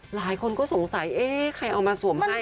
หลายคนก็สงสัยเอ๊ะใครเอามาสวมให้